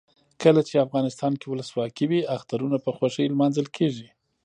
کله چې افغانستان کې ولسواکي وي اخترونه په خوښۍ لمانځل کیږي.